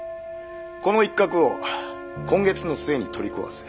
この一角を今月の末に取り壊す。